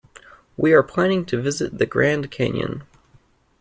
We are planning to visit the Grand Canyon.